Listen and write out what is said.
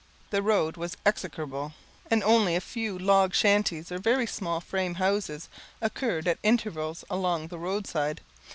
The road was execrable; and only a few log shanties, or very small frame houses, occurred at intervals along the road side.